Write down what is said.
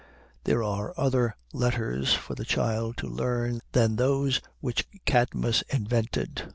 There are other letters for the child to learn than those which Cadmus invented.